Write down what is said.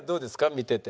見てて。